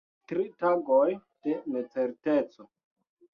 Tri tagoj de necerteco.